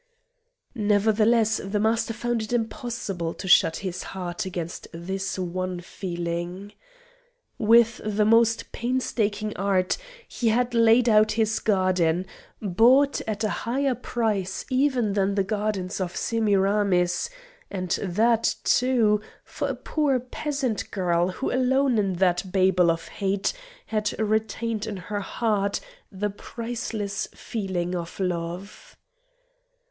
Nevertheless, the Master found it impossible to shut his heart against this one feeling. With the most painstaking art he had laid out this garden bought at a higher price even than the gardens of Semiramis; and that, too, for a poor peasant girl who alone in that Babel of hate had retained in her heart the priceless feeling of Love.